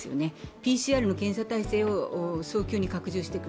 ＰＣＲの検査体制を送球に拡充していく。